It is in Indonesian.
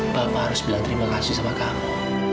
bapak harus bilang terima kasih sama kamu